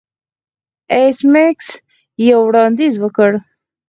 ایس میکس یو وړاندیز وکړ